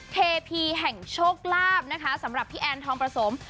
เทพีแห่งโชคลาภนะคะสำหรับพี่แอนทองประสม